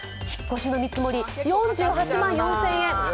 引っ越しの見積もり４８万４０００円